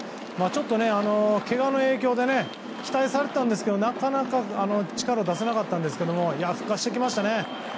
ちょっと、けがの影響で期待されてたんですけどなかなか力を出せなかったんですけど復活してきましたね。